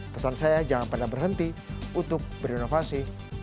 pesan saya jangan pernah berhenti untuk berinovasi